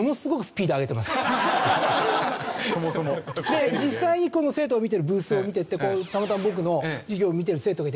で実際に生徒が見ているブースを見ていってたまたま僕の授業を見てる生徒がいてどうかなと思って。